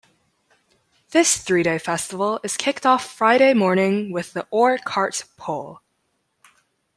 This three-day festival is kicked off Friday morning with the "Ore Cart Pull".